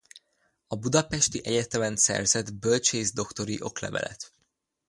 A budapesti egyetemen szerzett bölcsészdoktori oklevelet.